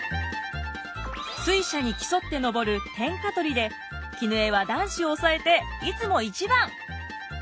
水車に競って登る「天下取り」で絹枝は男子を抑えていつも１番。